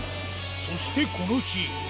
そしてこの日。